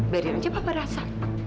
biar dia saja papa rasa